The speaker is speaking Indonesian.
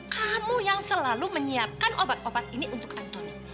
kamu yang selalu menyiapkan obat obat ini untuk anthony